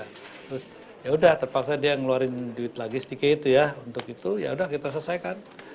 terus yaudah terpaksa dia ngeluarin duit lagi sedikit itu ya untuk itu yaudah kita selesaikan